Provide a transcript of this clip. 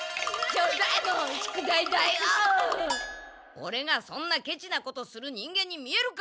オレがそんなケチなことする人間に見えるか！